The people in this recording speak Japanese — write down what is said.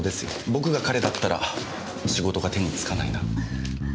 僕が彼だったら仕事が手につかないな。